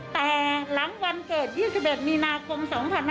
แต่หลังวันเกิด๒๑มีนาคม๒๕๖๒